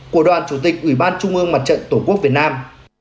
của đoàn chủ tịch ủy ban trung ương mặt trận tổ quốc việt nam